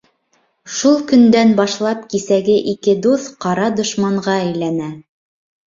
Шул көндән башлап кисәге ике дуҫ ҡара дошманға әйләнә.